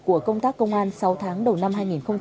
của công tác công an sáu tháng đầu năm hai nghìn một mươi chín